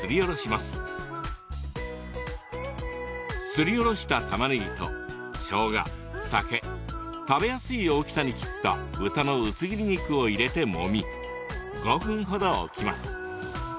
すりおろしたたまねぎとしょうが酒食べやすい大きさに切った豚の薄切り肉を入れてもみ５分ほど置きます。